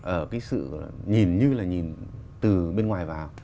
ở cái sự nhìn như là nhìn từ bên ngoài vào